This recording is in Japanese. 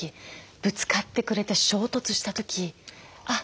ぶつかってくれて衝突した時あっ